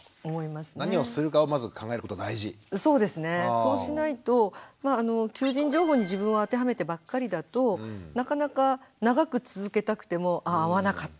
そうしないと求人情報に自分を当てはめてばっかりだとなかなか長く続けたくても「ああ合わなかった。